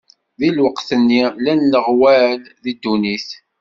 Di lweqt-nni, llan leɣwal di ddunit.